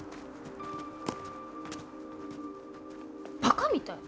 バカみたい。